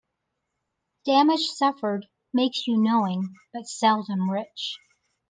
Damage suffered makes you knowing, but seldom rich.